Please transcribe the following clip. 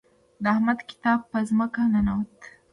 د احمد کتاب په ځمکه ننوت.